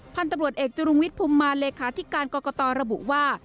พันธุ์ตำรวจเอกจุรุงวิทย์ภูมิมาเลขาธิการกรกตระบุว่า